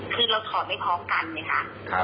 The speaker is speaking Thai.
คือเราถอดไม่พร้อมกันไหมคะ